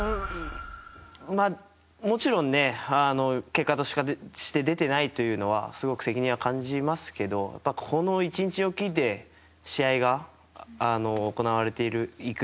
もちろん、結果として出ていないというのはすごく責任は感じますけどこの１日おきで試合が行われていく